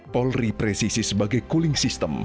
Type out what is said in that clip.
polri presisi sebagai cooling system